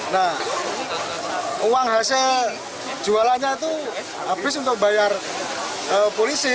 nah uang hasil jualannya itu habis untuk bayar polisi